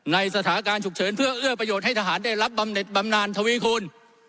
ในสถานการณ์ฉุกเฉินเพื่อเอื้อประโยชน์ให้ทหารได้รับบำเน็ตบำนานทวีคุณ